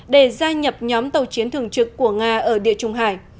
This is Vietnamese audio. để gia nhập nhóm tàu chiến thường trực của nga ở địa trung hải